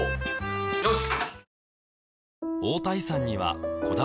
よし。